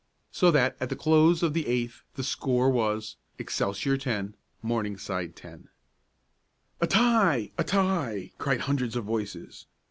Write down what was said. So that at the close of the eighth the score was: Excelsior, 10; Morningside 10. "A tie! A tie!" cried hundreds of voices.